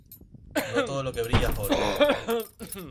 No todo lo que brilla es oro.